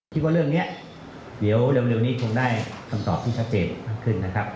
คิดว่าเรื่องนี้เดี๋ยวเร็วนี้คงได้คำตอบที่ชัดเจนมากขึ้นนะครับ